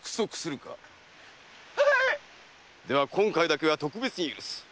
では今回だけは特別に許す。